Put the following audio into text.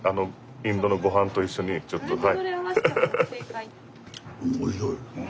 インドのごはんと一緒にちょっとはい。